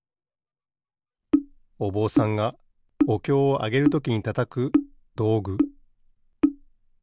おぼうさんがおきょうをあげるときにたたくどうぐ。